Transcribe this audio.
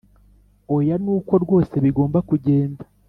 oya nuko rwose bigomba kugenda